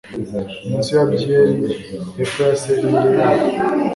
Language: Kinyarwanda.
Munsi ya byeri hepfo ya selire yaho